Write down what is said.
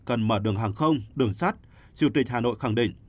cần mở đường hàng không đường sắt chủ tịch hà nội khẳng định